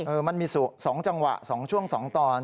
เออมันมีสู่๒จังหวะ๒ช่วง๒ตอน